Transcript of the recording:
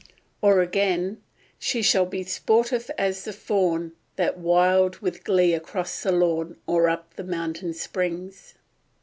Or again— She shall be sportive as the fawn, That wild with glee across the lawn Or up the mountain springs.